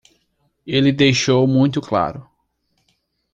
Ele deixou muito claro